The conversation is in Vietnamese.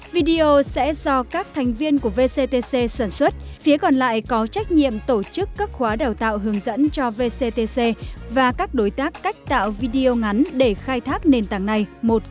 video sẽ do các thành viên của vctc sản xuất phía còn lại có trách nhiệm tổ chức các khóa đào tạo hướng dẫn cho vctc và các đối tác cách tạo video ngắn để khai thác nền tảng này